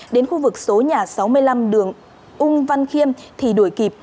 đến khu vực số nhà sáu mươi năm đường ung văn khiêm thì đuổi kịp